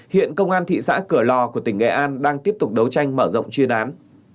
hiện công an thị xã cửa lò của tỉnh nghệ an đang tiếp tục đấu tranh mở rộng chuyên án